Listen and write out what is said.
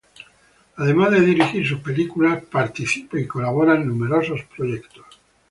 Además de dirigir sus películas, participa y colabora en numerosos proyectos.